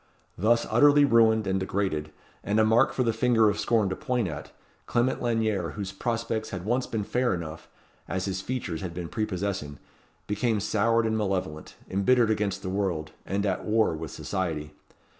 Thus utterly ruined and degraded, and a mark for the finger of scorn to point at, Clement Lanyere, whose prospects had once been fair enough, as his features had been prepossessing, became soured and malevolent, embittered against the world, and at war with society.